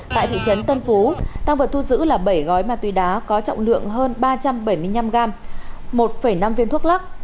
tại thị trấn tân phú tăng vật thu giữ là bảy gói ma túy đá có trọng lượng hơn ba trăm bảy mươi năm gram một năm viên thuốc lắc